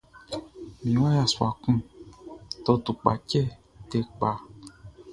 Mi wa yassua kun tɔ tupkatʃɛ tɛ kpa.